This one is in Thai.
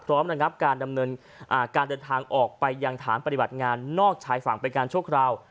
ระงับการดำเนินการเดินทางออกไปยังฐานปฏิบัติงานนอกชายฝั่งเป็นการชั่วคราว